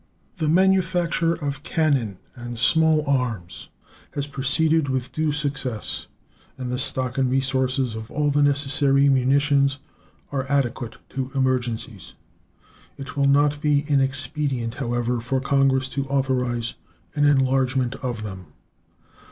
The manufacture of cannon and small arms has proceeded with due success, and the stock and resources of all the necessary munitions are adequate to emergencies. It will not be inexpedient, however, for Congress to authorize an enlargement of them.